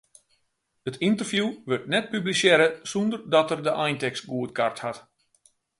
It ynterview wurdt net publisearre sonder dat er de eintekst goedkard hat.